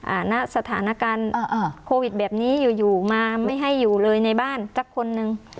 ณสถานการณ์อ่าโควิดแบบนี้อยู่อยู่มาไม่ให้อยู่เลยในบ้านสักคนนึง